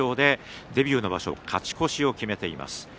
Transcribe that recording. デビューの場所勝ち越しを決めています。